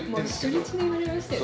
初日に言われましたよね。